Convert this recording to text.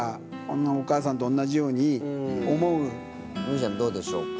麦ちゃんどうでしょうか？